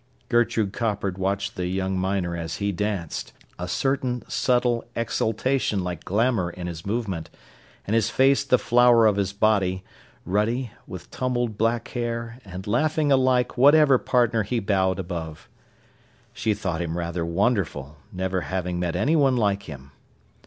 Gertrude Coppard watched the young miner as he danced, a certain subtle exultation like glamour in his movement, and his face the flower of his body, ruddy, with tumbled black hair, and laughing alike whatever partner he bowed above. She thought him rather wonderful, never having met anyone like him.